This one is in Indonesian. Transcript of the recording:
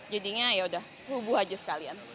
jadinya yaudah subuh aja sekalian